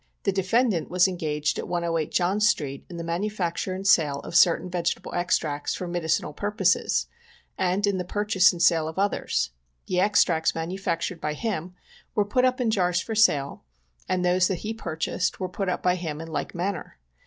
The defendant was engaged at 108 John street, in the manufacture and sale of certain vegetable extracts for medi cinal purposes, and in the purchase and sale of others. The extracts manufactured by him were put up in jars for sale,, and those that he purchased were put up by him in like manner.